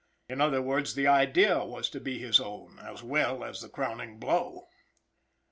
In other words, the idea was to be his own, as well us the crowning blow.